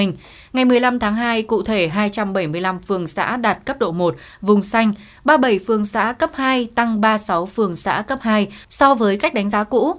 ngày một mươi năm tháng hai cụ thể hai trăm bảy mươi năm phường xã đạt cấp độ một vùng xanh ba mươi bảy phương xã cấp hai tăng ba mươi sáu phường xã cấp hai so với cách đánh giá cũ